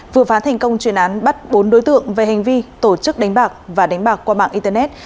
vừa phá thành công chuyên án bắt bốn đối tượng về hành vi tổ chức đánh bạc và đánh bạc qua mạng internet